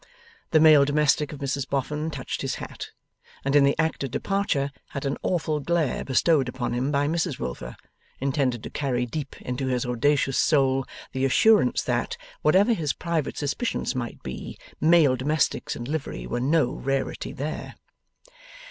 The male domestic of Mrs Boffin touched his hat, and in the act of departure had an awful glare bestowed upon him by Mrs Wilfer, intended to carry deep into his audacious soul the assurance that, whatever his private suspicions might be, male domestics in livery were no rarity there.